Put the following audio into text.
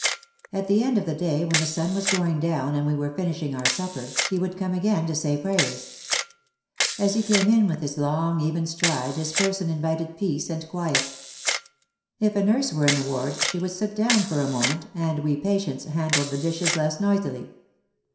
At the end of the day when the sun was going down and we were finishing our supper, he would come again to say prayers. As he came in with his long, even stride his person invited peace and quiet. If a nurse were in the ward she would sit down for a moment and we patients handled the dishes less noisily.